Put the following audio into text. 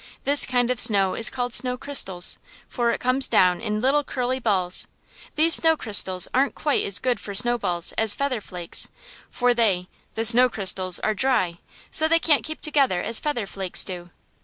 This kind of snow is called snow crystals, for it comes down in little curly balls. These snow crystals aren't quiet as good for snow balls as feather flakes, for they (the snow crystals) are dry: so they can't keep together as feather flakes do.